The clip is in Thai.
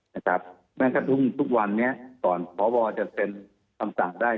นะครับแม้กระทุ่งทุกวันเนี่ยตอนขอบรจะเซ็นคำศาลได้